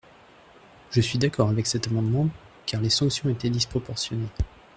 Je suis d’accord avec cet amendement, car les sanctions étaient disproportionnées.